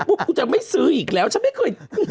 กูจะไม่ซื้ออีกแล้วฉันไม่เคย